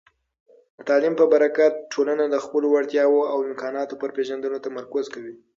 د تعلیم په برکت، ټولنه د خپلو وړتیاوو او امکاناتو پر پېژندلو تمرکز کوي.